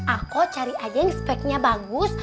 aku cari aja yang speknya bagus